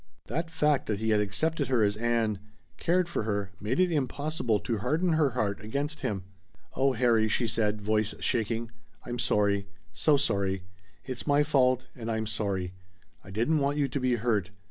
That fact that he had accepted her as Ann cared for her made it impossible to harden her heart against him. "Oh Harry," she said, voice shaking, "I'm sorry. So sorry. It's my fault and I'm sorry. I didn't want you to be hurt.